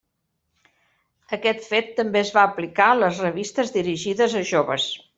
Aquest fet també es va aplicar a les revistes dirigides a joves.